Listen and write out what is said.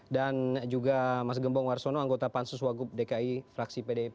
dan juga mas gembong warsono anggota pansus wagub dki fraksi pdp